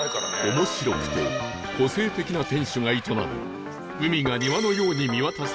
面白くて個性的な店主が営む海が庭のように見渡せる行列店